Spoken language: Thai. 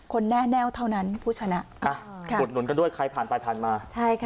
คนแน่เท่านั้นผู้ชนะอ่ะบดหน่วนกันด้วยใครผ่านไปผ่านมา